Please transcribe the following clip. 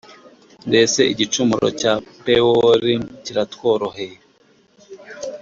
Mbese igicumuro cya Pewori kiratworoheye